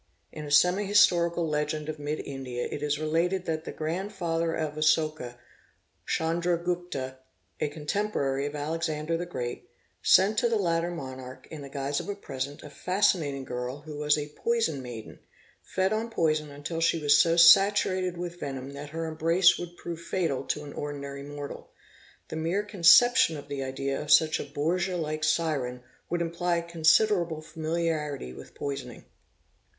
"In a semi historical legend of mid India, it is related that the grand father of Asoka, Chandra Gupta, a contemporary of Alexander the Great, sent to the latter monarch, in the guise of a present, a fascinating girl who was a 'poison maiden', fed on poison until she was so saturated q with venom that her embrace would prove fatal to an ordinary mortal; the mere conception of the idea of such a Borgia like siren would imply ~ considerable familiarity with poisoning" (Lyon, p.